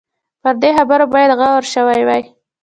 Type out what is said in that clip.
پر دې خبرې باید غور شوی وای.